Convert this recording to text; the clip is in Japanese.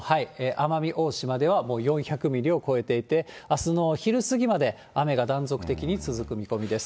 奄美大島ではもう４００ミリを超えていて、あすの昼過ぎまで雨が断続的に続く見込みです。